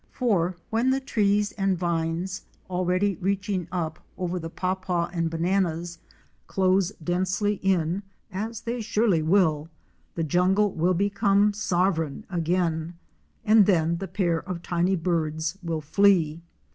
For when the trees and vines — already reaching up over the papaw and bananas — close densely in, as they surely will, the jungle will become sovereign again, and then the pair of tiny birds will flee.